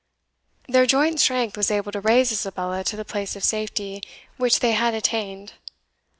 Their joint strength was able to raise Isabella to the place of safety which they had attained.